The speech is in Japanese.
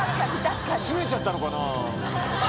締めちゃったのかな？